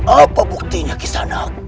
apa buktinya kisanak